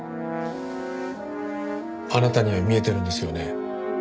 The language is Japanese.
あなたには見えてるんですよね？